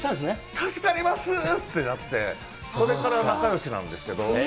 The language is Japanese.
助かりますってなって、それから仲よしなんですけど。